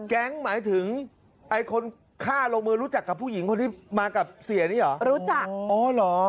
หมายถึงไอ้คนฆ่าลงมือรู้จักกับผู้หญิงคนที่มากับเสียนี่เหรอรู้จักอ๋อเหรอ